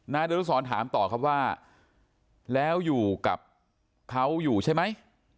ดนุสรถามต่อครับว่าแล้วอยู่กับเขาอยู่ใช่ไหม